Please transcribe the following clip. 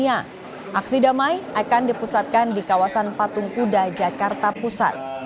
aksi damai akan dipusatkan di kawasan patung kuda jakarta pusat